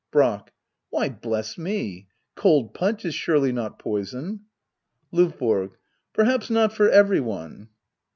Brack. Why bless me — cold punch is surely not poison. L&VBORO. Perhaps not for every one.